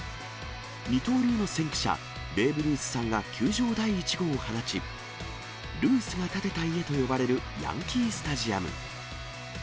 二刀流の先駆者、ベーブ・ルースさんが球場第１号を放ち、ルースが建てた家と呼ばれるヤンキースタジアム。